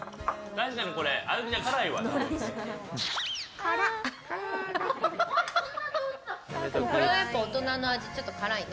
これはやっぱ大人の味、ちょっと辛いね。